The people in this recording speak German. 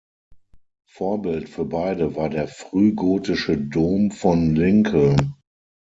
Vorbild für beide war der frühgotische Dom von Lincoln.